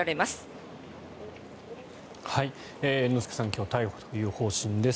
今日逮捕という方針です。